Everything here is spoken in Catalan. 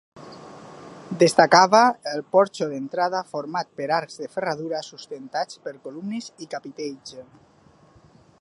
Destacava el porxo d'entrada format per arcs de ferradura sustentats per columnes i capitells.